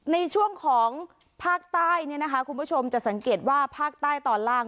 ในช่วงของภาคใต้เนี่ยนะคะคุณผู้ชมจะสังเกตว่าภาคใต้ตอนล่าง